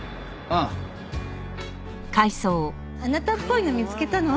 あなたっぽいの見つけたの。